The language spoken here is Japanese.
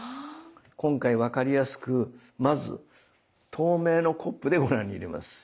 今回分かりやすくまず透明のコップでご覧に入れます。